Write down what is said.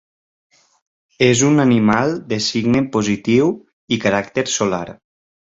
És un animal de signe positiu i caràcter solar.